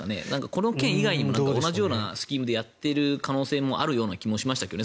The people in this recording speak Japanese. この件以外にも同じようなスキームでやっている可能性もあるような気がしましたけど。